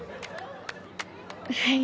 はい。